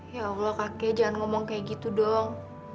ya allah kakek jangan ngomong kayak gitu doang